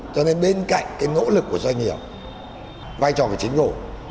cho nên bên cạnh cái nỗ lực của doanh nghiệp vai trò phải chính cổ